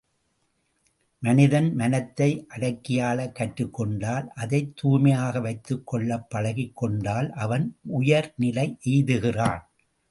மனிதன், மனத்தை அடக்கியாளக் கற்றுக்கொண்டால் அதைத் தூய்மையாக வைத்துக் கொள்ளப் பழகிக் கொண்டால் அவன் உயர்நிலை எய்துகிறான்.